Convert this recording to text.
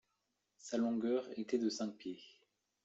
Sa longueur était de cinq pieds.